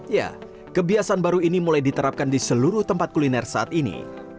ya kebiasaan baru ini mulai diterapkan di seluruh tempat kuliner saat ini